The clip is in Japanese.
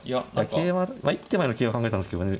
桂はまあ一手前の桂は考えたんですけどね。